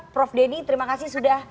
prof denny terima kasih sudah